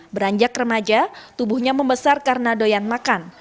beranjak remaja tubuhnya membesar karena doyan makan